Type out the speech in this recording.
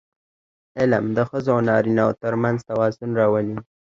علم د ښځو او نارینهوو ترمنځ توازن راولي.